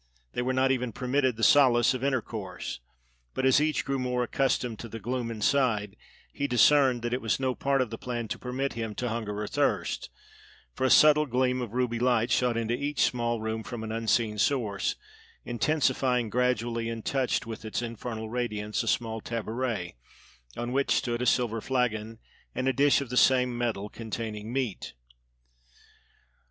They were not even permitted the solace of intercourse; but as each grew more accustomed to the gloom inside, he discerned that it was no part of the plan to permit him to hunger or thirst, for a subtle gleam of ruby light shot into each small room from an unseen source, intensifying gradually and touched with its infernal radiance a small tabouret on which stood a silver flagon and a dish of the same metal containing meat.